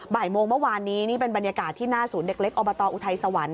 บ่ายโมงเมื่อวานนี้นี่เป็นบรรยากาศที่หน้าศูนย์เด็กเล็กอบตอุทัยสวรรค์